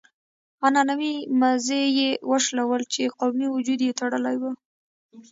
عنعنوي مزي يې وشلول چې قومي وجود يې تړلی و.